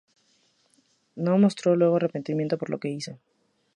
No mostró luego arrepentimiento por lo que hizo.